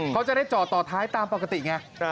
เขาจะได้จอดต่อท้ายตามปกติไง